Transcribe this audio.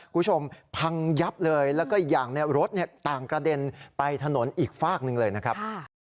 คุณผู้ชมพังยับเลยแล้วก็อีกอย่างรถต่างกระเด็นไปถนนอีกฝากหนึ่งเลยนะครับ